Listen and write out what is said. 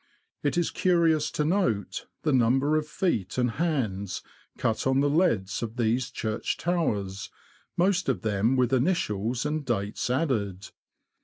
It is curious to note the number of feet and hands cut on the leads of these church towers, most of them with initials and dates added.